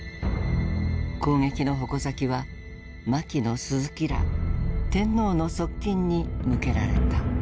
攻撃の矛先は牧野・鈴木ら天皇の側近に向けられた。